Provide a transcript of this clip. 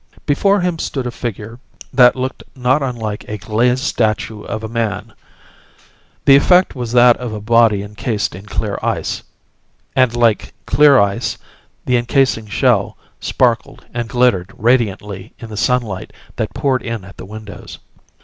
Before him stood a figure that looked not unlike a glazed statue of a man. The effect was that of a body encased in clear ice and like clear ice, the encasing shell sparkled and glittered radiantly in the sunlight that poured in at the windows.